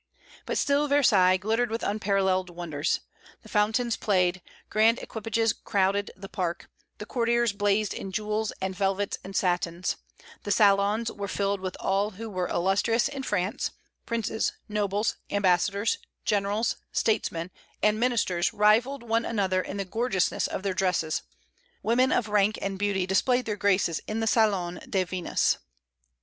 But still Versailles glittered with unparalleled wonders: the fountains played; grand equipages crowded the park; the courtiers blazed in jewels and velvets and satins; the salons were filled with all who were illustrious in France; princes, nobles, ambassadors, generals, statesmen, and ministers rivalled one another in the gorgeousness of their dresses; women of rank and beauty displayed their graces in the Salon de Venus.